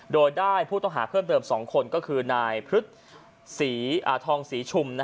โดยได้ผู้ต้องหาเพื่อนเพิ่มสองคนก็คือนายพฤษศรีอาทองศรีชุม